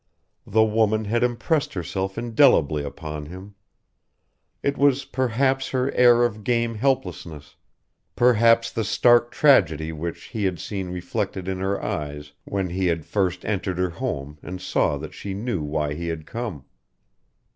The woman had impressed herself indelibly upon him. It was perhaps her air of game helplessness; perhaps the stark tragedy which he had seen reflected in her eyes when he had first entered her home and saw that she knew why he had come.